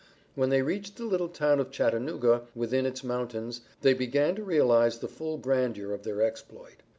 When they reached the little town of Chattanooga within its mountains they began to realize the full grandeur of their exploit.